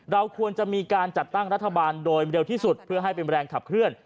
เราควรจะมีการจัดตั้งรัฐบาลโดยเร็วที่สุดเพื่อให้เป็นแรงขับเคลื่อน